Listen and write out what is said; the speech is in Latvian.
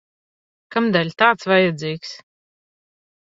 Kamdēļ tāds vajadzīgs?